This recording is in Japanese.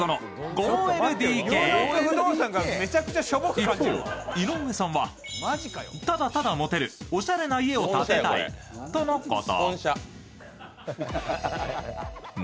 一方、井上さんはただただモテるおしゃれな家を建てたいとのこと。